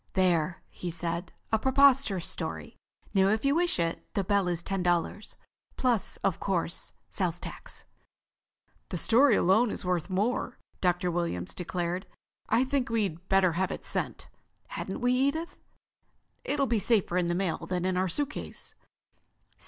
"There," he said. "A preposterous story. Now if you wish it, the bell is ten dollars. Plus, of course, sales tax." "The story alone is worth more," Dr. Williams declared. "I think we'd better have it sent, hadn't we, Edith? It'll be safer in the mail than in our suitcase."